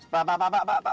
pak pak pak